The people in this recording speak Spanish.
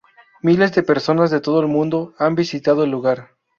Miles de personas de todo el mundo han visitado el lugar.